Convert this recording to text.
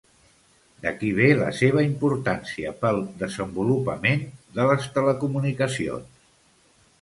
D'aquí ve la seva importància pel desenvolupament de les telecomunicacions.